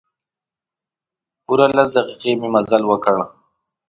پوره لس دقیقې مې مزل وکړ.